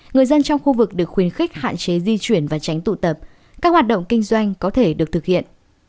người dân trong khu vực được khuyến khích hạn chế di chuyển và tránh tụ tập các hoạt động kinh doanh có thể được thực hiện